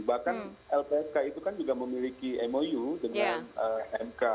bahkan lpsk itu kan juga memiliki mou dengan mk